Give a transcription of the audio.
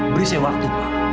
beri saya waktu pak